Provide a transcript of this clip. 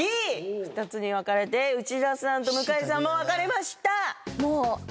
２つに分かれて内田さんと向井さんも分かれました！